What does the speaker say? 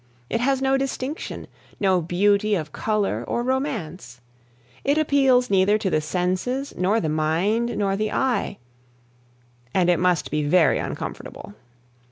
It has no distinction, no beauty of color or romance; it appeals neither to the senses, nor the mind, nor the eye, and it must be very uncomfortable.